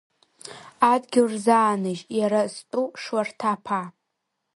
Адгьыл рзааныжь, иара зтәу, Шларҭаԥаа.